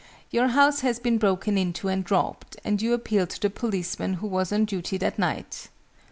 Your house has been broken into and robbed, and you appeal to the policeman who was on duty that night.